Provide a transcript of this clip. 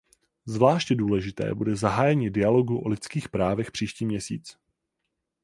Zvláště důležité bude zahájení dialogu o lidských právech příští měsíc.